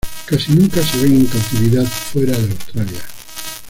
Casi nuca se ven en cautividad fuera de Australia.